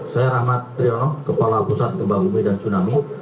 saya rahmat triono kepala pusat gempa bumi dan tsunami